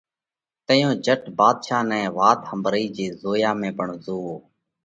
تئيون جھٽ ڀاڌشا نئہ وات ۿمڀرئِي جي زويا ۾ پڻ زووَو۔